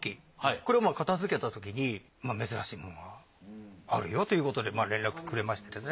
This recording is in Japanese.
これを片づけたときに珍しいものがあるよということで連絡くれましてね。